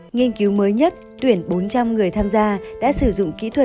nghiên cứu mới nhất tuyển bốn trăm linh người tham gia đã sử dụng kỹ thuật trụ ảnh